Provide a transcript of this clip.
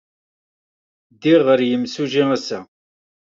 Ddiɣ ɣer yimsujji ass-a.